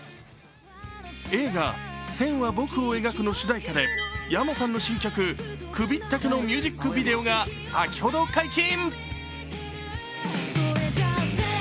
映画「線は、僕を描く」の主題歌で、ｙａｍａさんの新曲「くびったけ」のミュージックビデオが先ほど解禁。